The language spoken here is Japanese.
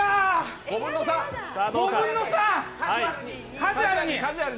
カジュアルに！